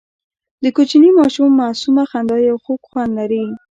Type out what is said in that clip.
د کوچني ماشوم معصومه خندا یو خوږ خوند لري.